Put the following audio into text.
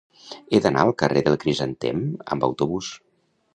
He d'anar al carrer del Crisantem amb autobús.